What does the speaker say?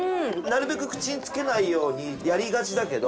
なるべく口に付けないようにやりがちだけどここは。